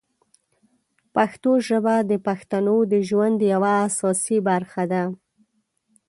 پښتو ژبه د پښتنو د ژوند یوه اساسي برخه ده.